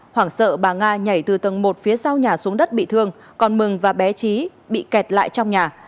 hoảng sợ bà nga nhảy từ tầng một phía sau nhà xuống đất bị thương còn mừng và bé trí bị kẹt lại trong nhà